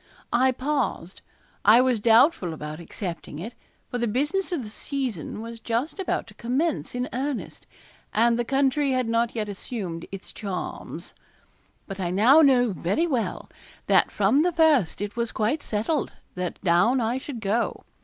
I paused, I was doubtful about accepting it, for the business of the season was just about to commence in earnest, and the country had not yet assumed its charms. But I now know very well that from the first it was quite settled that down I should go.